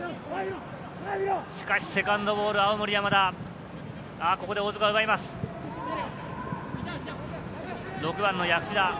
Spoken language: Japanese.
しかしセカンドボール、青森山田。